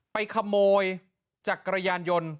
ไปขโมยจักรยานยนต์